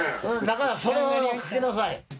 だからそれを書きなさい。